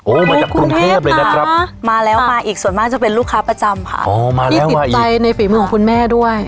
มาจากกรุงเทพเลยนะครับมาแล้วมาอีกส่วนมากจะเป็นลูกค้าประจำค่ะอ๋อมาที่ติดใจในฝีมือของคุณแม่ด้วย